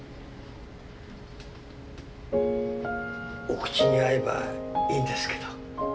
お口に合えばいいんですけど。